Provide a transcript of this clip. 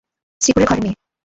শ্রীপুরের ঘরের মেয়ে।